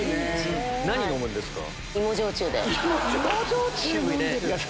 何飲むんですか？